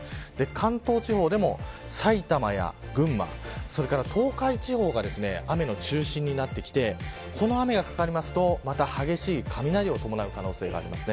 関東地方でも、埼玉や群馬それから東海地方が雨の中心になってきてこの雨がかかると、激しい雷を伴う可能性があります。